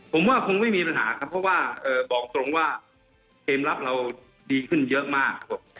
ผมว่าคงไม่มีปัญหาครับเพราะว่าบอกตรงว่าเกมรับเราดีขึ้นเยอะมากครับผม